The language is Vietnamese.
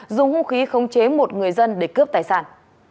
dùng hung khí khống chế một người dân để cướp tài sản